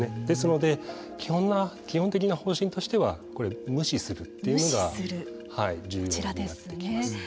ですので基本的な方針としては無視するというのが重要になってきます。